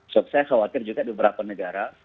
saya khawatir juga di beberapa negara